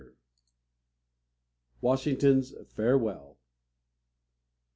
WASHINGTON'S FAREWELL.